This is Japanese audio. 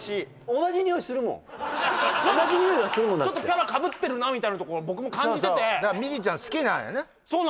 同じにおいがするもんだってちょっとキャラかぶってるなみたいなところ僕も感じててミリちゃん好きなんやな？